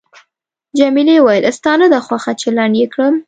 جميلې وويل:، ستا نه ده خوښه چې لنډ یې کړم؟